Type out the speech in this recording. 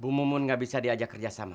bu mumun gak bisa diajak kerja sama